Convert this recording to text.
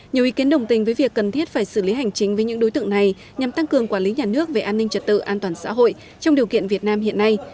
nhiều ý kiến đồng tình với việc cần thiết phải xử lý hành chính với những đối tượng này nhằm tăng cường quản lý nhà nước về an ninh trật tự an toàn xã hội trong điều kiện việt nam hiện nay